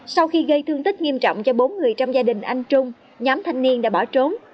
sau khi gây thương tích nghiêm trọng cho bốn người trong gia đình anh trung nhóm thanh niên đã bỏ trốn